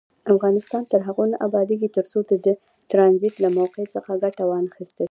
افغانستان تر هغو نه ابادیږي، ترڅو د ټرانزیټ له موقع څخه ګټه وانخیستل شي.